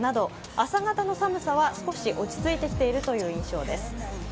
朝方の寒さは少し落ち着いてきているという印象です。